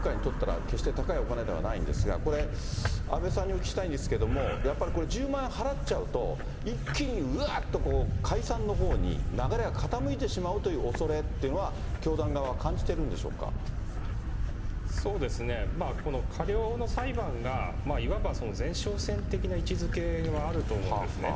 これ、統一教会にとったら決して高いお金ではないんですが、これ、阿部さんにお聞きしたいんですけれども、やっぱりこれ、１０万円払っちゃうと、一気にうわーっと、解散のほうに流れが傾いてしまうというおそれっていうのは、教団この過料の裁判がいわば前哨戦的な位置づけはあると思うんですね。